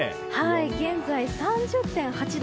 現在、３０．８度。